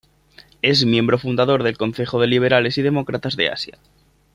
Es miembro fundador del Concejo de Liberales y Demócratas de Asia.